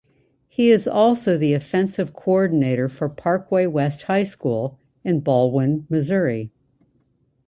He is also the offensive coordinator for Parkway West High School in Ballwin, Missouri.